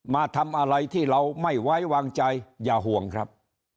มาทำอะไรที่เราไม่ไว้วางใจอย่าห่วงครับ